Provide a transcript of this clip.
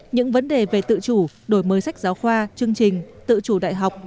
những vấn đề về tự chủ đổi mới sách giáo khoa chương trình tự chủ đại học